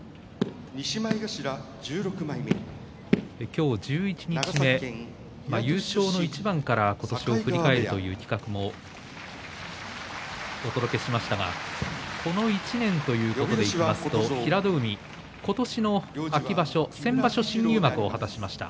今日、十一日目優勝の一番から今年を振り返るという企画もお届けしましたがこの１年ということでいきますと平戸海、今年の秋場所先場所、新入幕を果たしました。